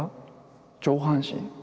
上半身？